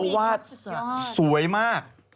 วาดสวยมาก